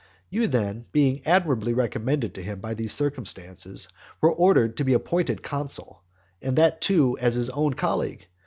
You then, being admirably recommended to him by these circumstances, were ordered to be appointed consul, and that too as his own colleague.